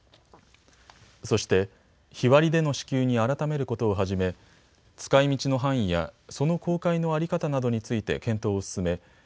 そして日割りでの支給に改めることをはじめ、使いみちの範囲やその公開の在り方などについて検討を進め